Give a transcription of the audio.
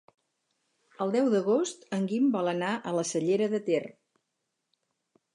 El deu d'agost en Guim vol anar a la Cellera de Ter.